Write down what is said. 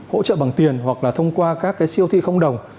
hỗ trợ bằng tiền hoặc là thông qua các cái siêu thị không đồng